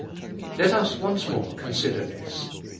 Let us once more consider this.